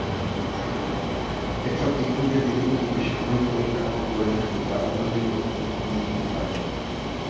এরপর দ্বীপপুঞ্জের বিভিন্ন দ্বীপে সামরিক পরিকাঠামো গড়তে থাকে যা অন্য দুই প্রতিপক্ষ মেনে নিতে পারেনি।